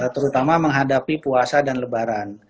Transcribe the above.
terutama menghadapi puasa dan lebaran